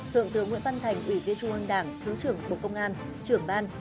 thượng tướng nguyễn văn thành ủy viên trung ương đảng thứ trưởng bộ công an trưởng ban